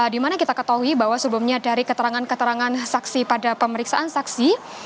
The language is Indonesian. dimana kita ketahui bahwa sebelumnya dari keterangan keterangan saksi pada pemeriksaan saksi